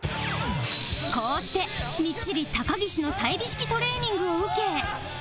こうしてみっちり高岸の済美式トレーニングを受け